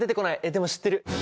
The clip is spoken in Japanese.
でも知ってる！